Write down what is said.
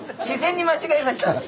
自然に間違えました。